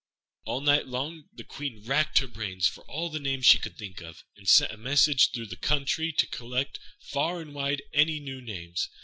All night long the Queen racked her brains for all the names she could think of, and sent a messenger through the country to collect far and wide any new names.